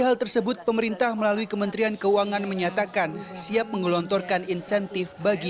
hal tersebut pemerintah melalui kementerian keuangan menyatakan siap menggelontorkan insentif bagi